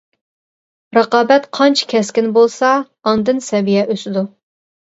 رىقابەت قانچە كەسكىن بولسا ئاندىن سەۋىيە ئۆسىدۇ.